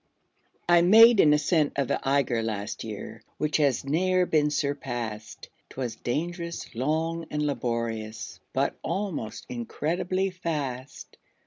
I made an ascent of the Eiger Last year, which has ne'er been surpassed; 'Twas dangerous, long, and laborious, But almost incredibly fast.